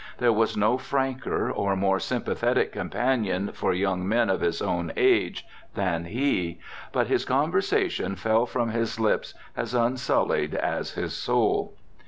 There was no franker or more sympathetic companion for young men of his own age than he; but his conversation fell from his lips as unsullied as his soul.